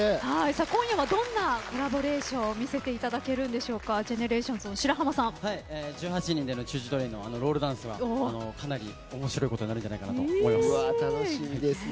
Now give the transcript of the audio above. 今夜はどんなコラボレーションを見せていただけるんでしょうかＧＥＮＥＲＡＴＩＯＮＳの「ＣｈｏｏＣｈｏｏＴＲＡＩＮ」のロールダンスはかなり面白いことに楽しみですね。